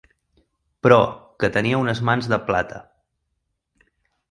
Però, que tenia unes mans de plata.